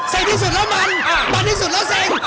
ที่สุดแล้วมันมันที่สุดแล้วเซ็ง